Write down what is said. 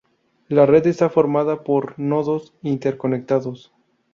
La red está formada por nodos interconectados.